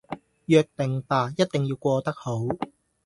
約定吧......一定要過得好